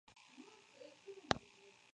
Mezcla para todo el país Roberto Cardona.